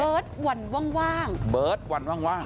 เวิธวั่นว่างว่างเวิธวันว่างว่าง